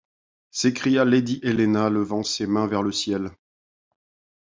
s’écria lady Helena, levant ses mains vers le ciel.